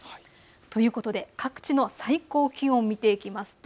ということで、各地の最高気温を見ていきます。